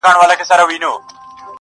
په زړه سخت لکه د غرونو ځناور وو!!